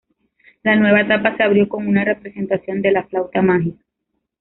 La nueva etapa se abrió con una representación de "La flauta mágica".